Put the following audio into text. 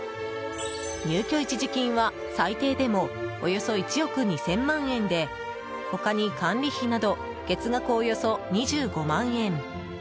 入居一時金は最低でもおよそ１億２０００万円で他に管理費など月額およそ２５万円。